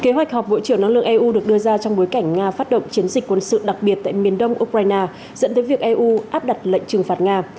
kế hoạch họp bộ trưởng năng lượng eu được đưa ra trong bối cảnh nga phát động chiến dịch quân sự đặc biệt tại miền đông ukraine dẫn tới việc eu áp đặt lệnh trừng phạt nga